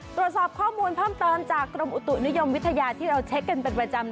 ตรวจสอบข้อมูลเพิ่มเติมจากกรมอุตุนิยมวิทยาที่เราเช็คกันเป็นประจำ